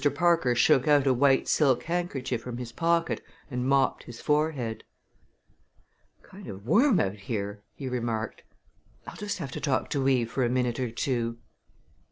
Parker shook out a white silk handkerchief from his pocket and mopped his forehead. "Kind of warm out here!" he remarked. "I'll just have to talk to Eve for a minute or two."